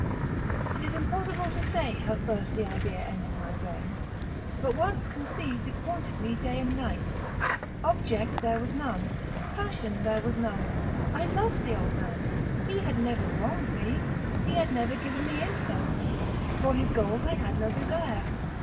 It is impossible to say how first the idea entered my brain; but once conceived, it haunted me day and night. Object there was none. Passion there was none. I loved the old man. He had never wronged me. He had never given me insult. For his gold I had no desire.